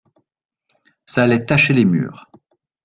Ça allait tacher les murs.